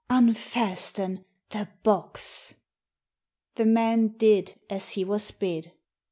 Unfasten the box !" The man did as he was bid.